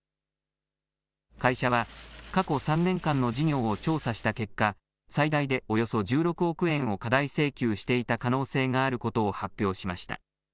会社は過去３年間の事業を調査した結果最大でおよそ１６億円を過大請求していた可能性があることを発表しました。